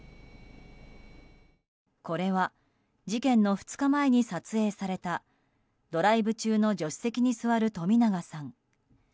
これは事件の２日前に撮影されたドライブ中の助手席に座る冨永さん。